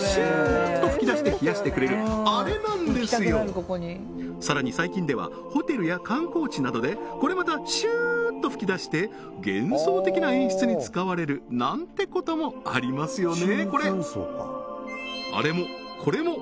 この霧さらに最近ではホテルや観光地などでこれまたシューッと噴き出して幻想的な演出に使われるなんてこともありますよね